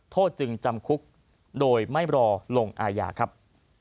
โทษจึงจำคุกโดยไม่รอลงอาญาครับ